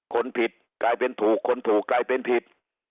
คนผิดกลายเป็นถูกคนถูกกลายเป็นผิด